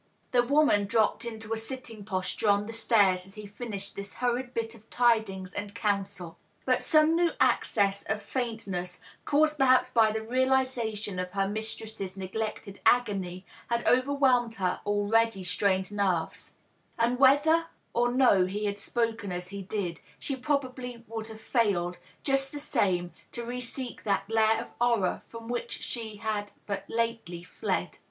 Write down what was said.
The woman dropped into a sitting posture on the stairs as he fin ished this hurried bit of tidings and counsel. But some new access of faintness, caused perhaps by the realization of her mistress's n^lected agony, had overwhelmed her already strained nerves; and whether or no he had spoken as he did, she would probably have failed, just the same, to re seek that lair of horror from which she had but lately fled.